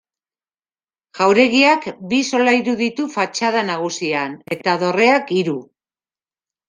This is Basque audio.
Jauregiak bi solairu ditu fatxada nagusian, eta dorreak hiru.